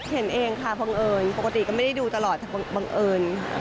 เห็นเองค่ะบังเอิญปกติก็ไม่ได้ดูตลอดบังเอิญ